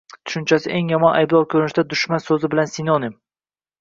tushunchasi eng yomon ayblov ko‘rinishida, “dushman” so‘zi bilan sinonim